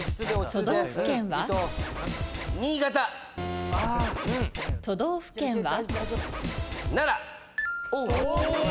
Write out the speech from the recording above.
都道府県は？